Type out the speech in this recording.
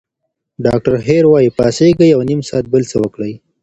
ډاکټره هیر وايي، پاڅېږئ او نیم ساعت بل څه وکړئ.